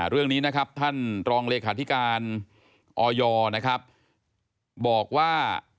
เรื่องนี้ท่านรองหลอยบอกว่า